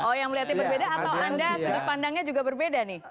oh yang melihatnya berbeda atau anda sudut pandangnya juga berbeda nih